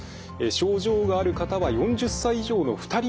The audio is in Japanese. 症状がある方は４０歳以上の２人に１人。